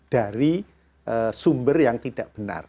dari sumber yang tidak benar